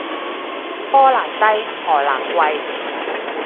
波蘭低，荷蘭貴